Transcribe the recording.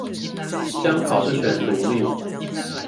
將考試權獨立